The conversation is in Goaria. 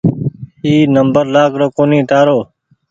اي نمبر لآگرو ڪونيٚ تآرو